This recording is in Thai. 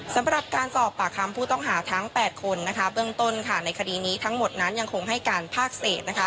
สำหรับการสอบปากคำผู้ต้องหาทั้ง๘คนเบื้องต้นในคดีนี้ทั้งหมดนั้นยังคงให้การภาคเศษนะคะ